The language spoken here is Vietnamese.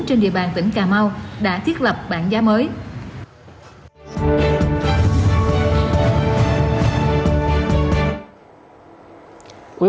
trên địa bàn tỉnh cà mau đã thiết lập bảng giá mới